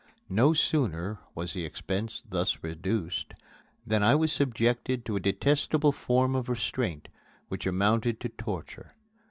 No sooner was the expense thus reduced than I was subjected to a detestable form of restraint which amounted to torture.